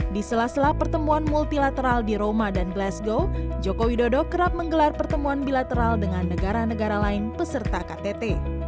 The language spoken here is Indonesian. di sela sela pertemuan multilateral di roma dan glasgow joko widodo kerap menggelar pertemuan bilateral dengan negara negara lain peserta ktt